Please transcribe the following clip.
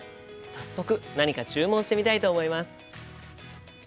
早速何か注文してみたいと思います。